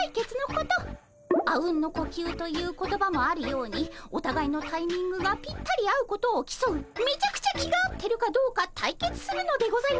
「阿吽の呼吸」という言葉もあるようにおたがいのタイミングがぴったり合うことをきそうめちゃくちゃ気が合ってるかどうか対決するのでございますね。